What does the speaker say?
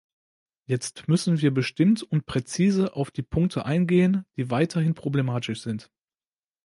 Jetzt müssen wir bestimmt und präzise auf die Punkte eingehen, die weiterhin problematisch sind.